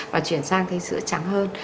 mà chuyển sang sữa trắng hơn